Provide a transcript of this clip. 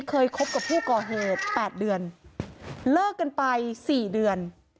คบกับผู้ก่อเหตุ๘เดือนเลิกกันไป๔เดือน